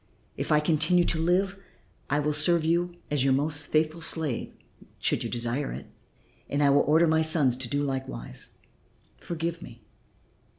If I continue to live I will serve you as your most faithful slave should you desire it, and I will order my sons to do likewise. Forgive me."